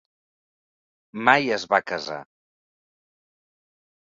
Mai es va casar.